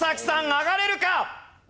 上がれるか！？